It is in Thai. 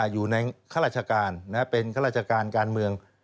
อยู่ในข้าราชการเป็นข้าราชการการเมือง